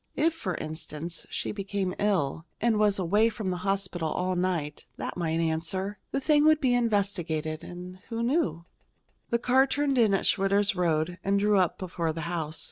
If, for instance, she became ill, and was away from the hospital all night, that might answer. The thing would be investigated, and who knew The car turned in at Schwitter's road and drew up before the house.